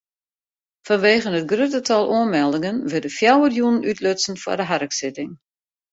Fanwegen it grutte tal oanmeldingen wurde fjouwer jûnen útlutsen foar de harksitting.